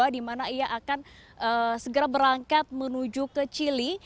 di mana ia akan segera berangkat menuju ke chile